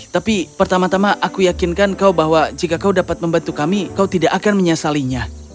tapi pertama tama aku yakinkan kau bahwa jika kau dapat membantu kami kau tidak akan menyesalinya